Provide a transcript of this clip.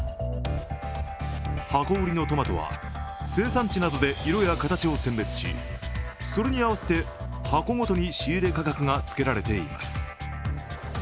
箱売りのトマトは生産地などで色や形を選別しそれに合わせて箱ごとに仕入れ価格がつけられています。